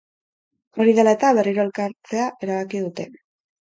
Hori dela eta, berriro elkartazea erabaki dute.